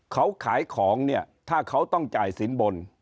เขาขายของเนี่ยถ้าเขาต้องจ่ายสินบน